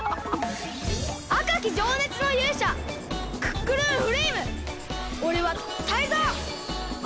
あかきじょうねつのゆうしゃクックルンフレイムおれはタイゾウ！